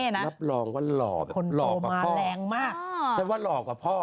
นับลองว่าเหล่าเหล่ากับพ่อ